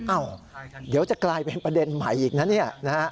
เดี๋ยวจะกลายเป็นประเด็นใหม่อีกนะเนี่ยนะฮะ